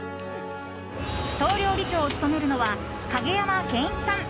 総料理長を務めるのは蔭山健一さん。